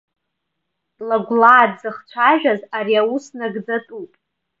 Лагәлаа дзыхцәажәаз ари аус нагӡатәуп.